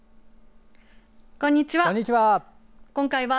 こんにちは。